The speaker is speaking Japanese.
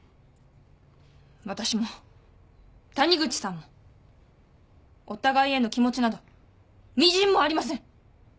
私も谷口さんもお互いへの気持ちなどみじんもありません。